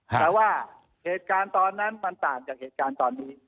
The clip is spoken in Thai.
แต่ว่าเหตุการณ์ตอนนั้นมันต่างจากเหตุการณ์ตอนนี้